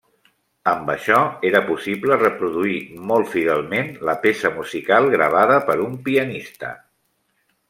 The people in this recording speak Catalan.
Amb això era possible reproduir molt fidelment la peça musical gravada per un pianista.